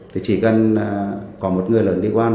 thì chỉ cần có một người lớn đi qua nói